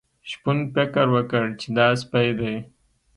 شپون فکر وکړ چې دا سپی دی.